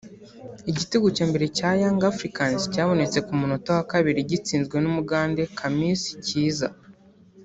Igitego cya mbere cya Yanga Africans cyabonetse ku munota wa kabiri gitsinzwe n’Umugande Khamis Kiiza